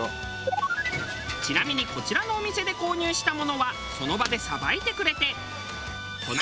ちなみにこちらのお店で購入したものはその場でさばいてくれて。